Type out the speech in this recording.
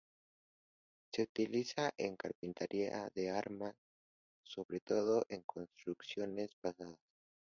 Se utiliza en carpintería de armar, sobre todo en construcciones pesadas.